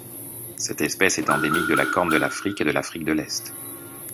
Cette espèce est endémique de la Corne de l'Afrique et de l'Afrique de l'est.